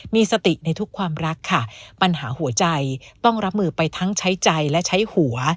มีสติในทุกความรักค่ะปัญหาหัวใจต้องรับมือไปทั้งใช้ใจและใช้หัว